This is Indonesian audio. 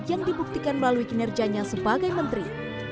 yang dibuktikan melalui kinerjanya sebagai menteri